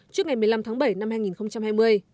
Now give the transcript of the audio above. trước ngày một mươi năm tháng bảy năm hai nghìn hai mươi